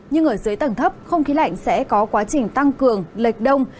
nhưng ở dưới tầng thấp không khí lạnh sẽ có quá trình tăng cường lệch đông